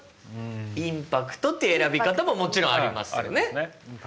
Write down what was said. インパクトっていう選び方ももちろんありますよね。